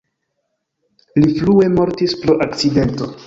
Li frue mortis pro akcidento.